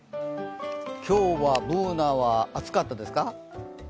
今日はＢｏｏｎａは暑かったですか？